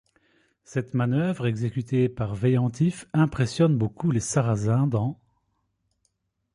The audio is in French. Cette manœuvre exécutée par Veillantif impressionne beaucoup les Sarrasins dans '.